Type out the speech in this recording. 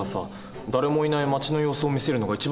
誰もいない町の様子を見せるのが一番でしょ？